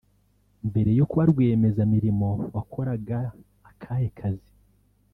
Mbere yo kuba rwiyemezamirimo wakoraga akahe kazi